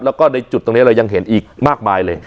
แล้วก็ในจุดตรงนี้เรายังเห็นอีกมากมายเลย